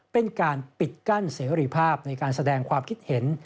เป็นการปิดกั้นเสรีภาพในการแสดงความคิดเห็น